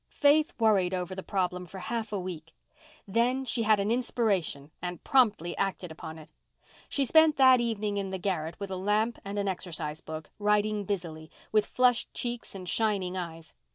Faith worried over the problem for half a week. Then she had an inspiration and promptly acted upon it. She spent that evening in the garret, with a lamp and an exercise book, writing busily, with flushed cheeks and shining eyes.